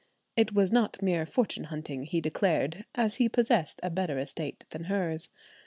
It was not mere fortune hunting, he declared, as he possessed a better estate than hers.